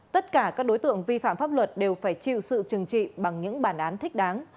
tất cả các đối tượng vi phạm pháp luật đều phải chịu sự trừng trị bằng những bản án thích đáng